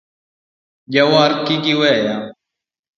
Jawar kiri weya